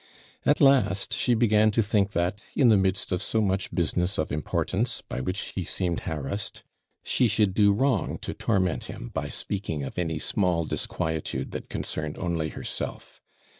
At last, she began to think that, in the midst of so much business of importance, by which he seemed harassed, she should do wrong to torment him, by speaking of any small disquietude that concerned only herself.